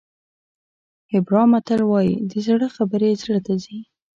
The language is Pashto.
هیبرا متل وایي د زړه خبرې زړه ته ځي.